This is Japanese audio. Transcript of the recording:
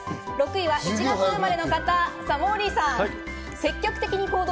６位は１月生まれの方、モーリーさん。